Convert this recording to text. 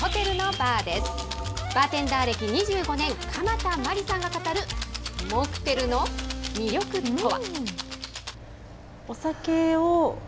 バーテンダー歴２５年、鎌田真理さんが語るモクテルの魅力とは。